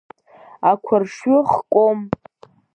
Ақәаршҩы хкәом.